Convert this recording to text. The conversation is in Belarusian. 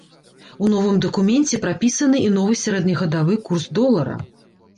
У новым дакуменце прапісаны і новы сярэднегадавы курс долара.